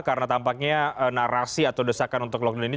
karena tampaknya narasi atau desakan untuk lockdown ini